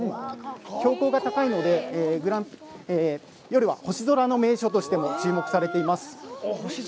標高が高いので、夜は、星空の名所としても注目されています。